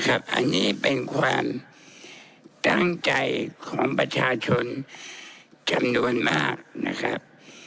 อันนี้เป็นความตั้งใจของประชาชนจำนวนมากนะครับ